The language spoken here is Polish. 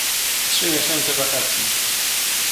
"Trzy miesiące wakacji!"